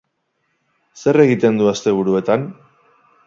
Zer egiten du asteburuetan?